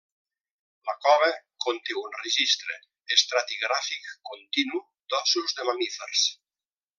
La cova conté un registre estratigràfic continu d'ossos de mamífers.